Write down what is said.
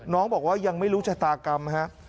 น้องบอกว่ายังไม่รู้ชะตากรรมครับ